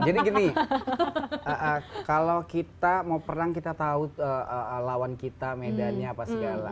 jadi gini kalau kita mau pernah kita tahu lawan kita medannya apa segala